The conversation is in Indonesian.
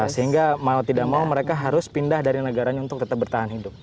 sehingga mau tidak mau mereka harus pindah dari negaranya untuk tetap bertahan hidup